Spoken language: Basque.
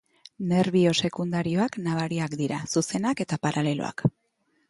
Nerbio sekundarioak nabariak dira, zuzenak eta paraleloak.